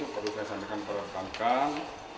perlu saya sandakan perhatikan